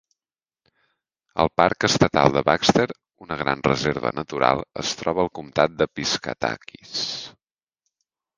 El Parc Estatal de Baxter, una gran reserva natural, es troba al comtat de Piscataquis.